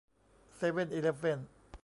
เซเว่นอีเลฟเว่น